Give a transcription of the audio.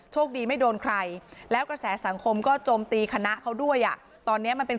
โชคดีไม่โดนใครแล้วกระแสสังคมก็จมตีคณะเขาด้วยอ่ะ